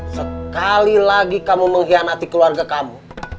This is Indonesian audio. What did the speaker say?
sekali lagi kamu mengkhianati keluarga kamu